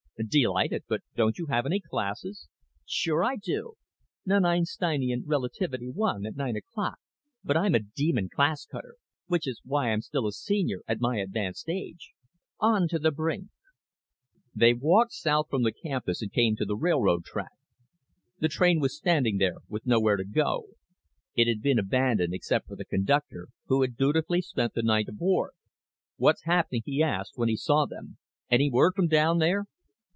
"Delighted. But don't you have any classes?" "Sure I do. Non Einsteinian Relativity 1, at nine o'clock. But I'm a demon class cutter, which is why I'm still a Senior at my advanced age. On to the brink!" They walked south from the campus and came to the railroad track. The train was standing there with nowhere to go. It had been abandoned except for the conductor, who had dutifully spent the night aboard. "What's happening?" he asked when he saw them. "Any word from down there?"